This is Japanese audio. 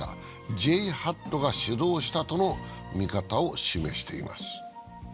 ＪＨＡＴが主導したとの見方を示しています。